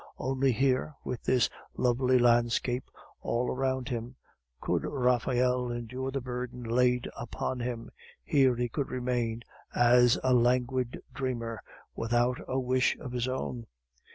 Only here, with this lovely landscape all around him, could Raphael endure the burden laid upon him; here he could remain as a languid dreamer, without a wish of his own.